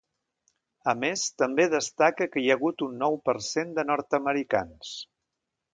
A més, també destaca que hi ha hagut un nou per cent de nord-americans.